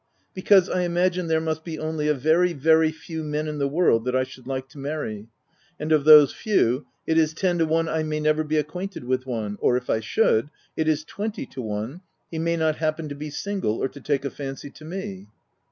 " Because, I imagine there must be only a very, very few men in the world, that I should like to marry ; and of those few, it is ten to one I may never be acquainted with one ; or if I should, it is twenty to one, he may not happen to be single, or to take a fancy to me."